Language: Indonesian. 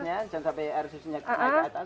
jangan sampai air susunya ke atas